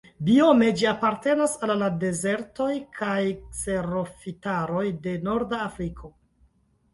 Biome ĝi apartenas al la dezertoj kaj kserofitaroj de norda Afriko.